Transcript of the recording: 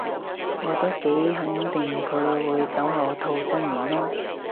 我都幾肯定佢會酒後吐真言囉